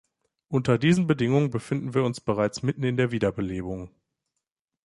Unter diesen Bedingungen befinden wir uns bereits mitten in der Wiederbelebung.